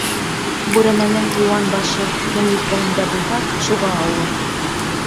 Бүрәнәнең йыуан башы кем елкәһендә булһа, шуға ауыр.